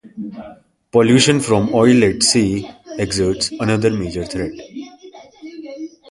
Pollution from oil at sea exerts another major threat.